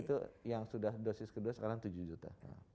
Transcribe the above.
itu yang sudah dosis kedua sekarang tujuh juta